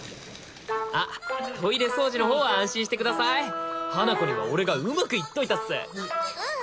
あっトイレ掃除の方は安心してください花子には俺がうまく言っといたっすうん